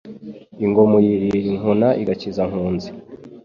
Ingoma uyirira inkuna igakiza nkunzi :